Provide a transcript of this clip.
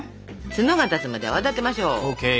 ツノが立つまで泡立てましょう。